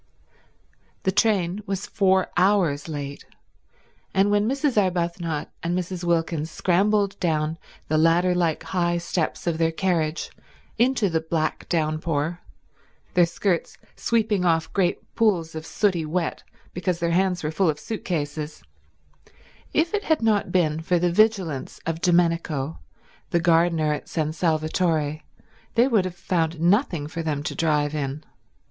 The train was four hours late, and when Mrs. Arbuthnot and Mrs. Wilkins scrambled down the ladder like high steps of their carriage into the black downpour, their skirts sweeping off great pools of sooty wet because their hands were full of suit cases, if it had not been for the vigilance of Domenico, the gardener at San Salvatore, they would have found nothing for them to drive in.